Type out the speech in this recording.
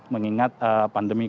mengingat pandemi ini